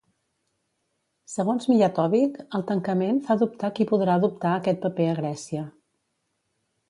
Segons Mijatovic, el tancament fa dubtar qui podrà adoptar aquest paper a Grècia.